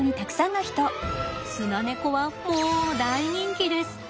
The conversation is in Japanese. スナネコはもう大人気です。